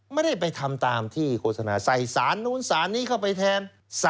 ไม่ได้ไปทำตามที่โฆษณาใส่สารนู้นสารนี้เข้าไปแทน